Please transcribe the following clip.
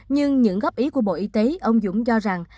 nhưng những góp ý của bộ y tế ông dũng cho rằng